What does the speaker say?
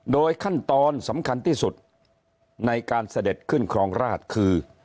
โดยขั้นตอนสำคัญที่สุดในการเสด็จขึ้นครองราชคือ